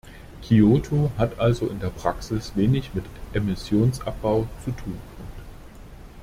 Kyoto hat also in der Praxis wenig mit Emissionsabbau zu tun.